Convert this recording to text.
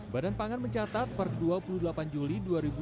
badan pangan mencatat per dua puluh delapan juli dua ribu dua puluh